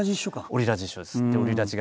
オリラジ一緒です。